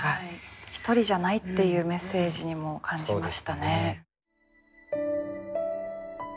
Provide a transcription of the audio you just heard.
一人じゃないっていうメッセージにも感じましたね。